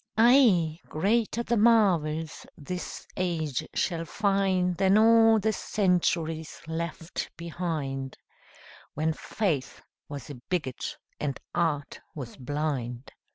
Ay, greater the marvels this age shall find Than all the centuries left behind, When faith was a bigot and art was blind.